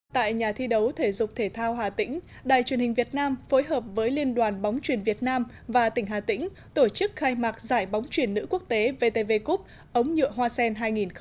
tại nhà thi đấu thể dục thể thao hà tĩnh đài truyền hình việt nam phối hợp với liên đoàn bóng truyền việt nam và tỉnh hà tĩnh tổ chức khai mạc giải bóng truyền nữ quốc tế vtv cup ống nhựa hoa sen hai nghìn một mươi chín